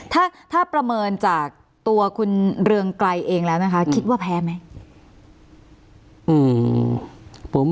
ถ้าประเมินจากตัวคุณเรืองไกรเองแล้วนะคะคิดว่าแพ้ไหม